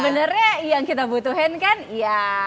sebenarnya yang kita butuhin kan ya